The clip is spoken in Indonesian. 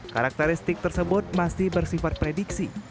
karakteristik tersebut masih bersifat prediksi